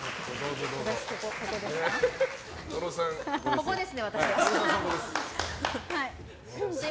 ここですね、私は。